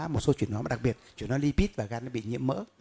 một số chuyển hóa đặc biệt chuyển hóa lipid và gan bị nhiễm mỡ